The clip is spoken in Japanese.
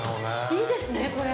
◆いいですね、これ。